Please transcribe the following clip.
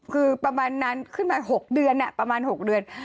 คือประมาณนั้นขึ้นมา๖เดือนประมาณ๖เดือน